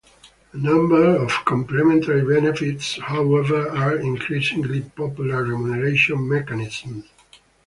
A number of complementary benefits, however, are increasingly popular remuneration mechanisms.